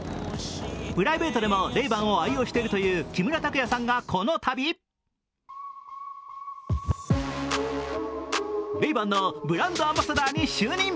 プライベートでもＲａｙ−Ｂａｎを愛用しているという木村拓哉さんがこのたびＲａｙ−Ｂａｎのブランドアンバサダーに就任。